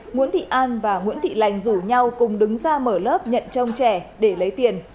nguyễn thị an và nguyễn thị lành rủ nhau cùng đứng ra mở lớp nhận trông trẻ để lấy tiền